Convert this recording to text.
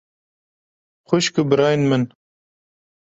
Xwişk û birayên min!